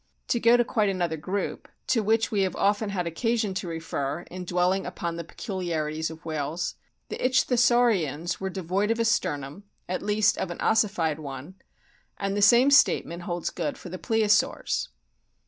To go to quite another group to which we have often had occasion to refer in dwelling upon the peculiarities of whales the Ichthyosaurians were devoid of a sternum, at least of an ossified one ; and the same statement holds good for the Plesiosaurs.